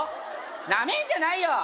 ナメんじゃないよ